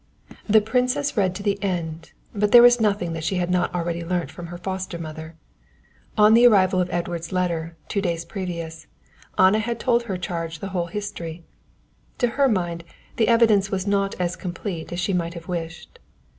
The princess read to the end, but there was nothing that she had not already learnt from her foster mother. On the arrival of Edward's letter, two days previous, Anna had told her charge the whole history. To her mind, the evidence was not as complete as she might have wished.